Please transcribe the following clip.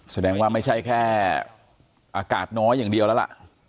แสดงว่าไม่ใช่แค่อากาศน้อยอย่างเดียวแล้วล่ะ